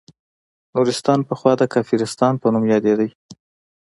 نورستان پخوا د کافرستان په نوم یادیده